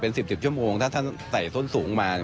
เป็นสิบสิบชั่วโมงถ้าท่านใส่โซนสูงมา